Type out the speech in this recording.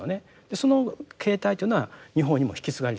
その形態というのは日本にも引き継がれてきます。